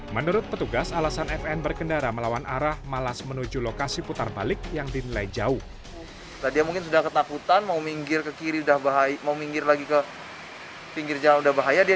menurut petugas alasan fn berkendara melawan arah malas menuju lokasi putar balik yang dinilai jauh